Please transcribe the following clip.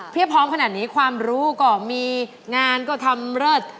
พร้อมขนาดนี้ความรู้ก็มีงานก็ทำเลิศ